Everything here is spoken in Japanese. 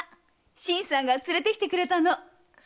新さんが連れてきてくれたの。